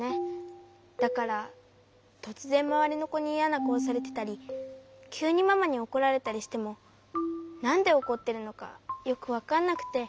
だからとつぜんまわりのこにイヤなかおされてたりきゅうにママにおこられたりしてもなんでおこってるのかよくわかんなくて。